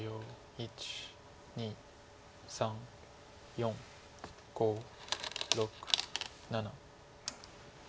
１２３４５６７。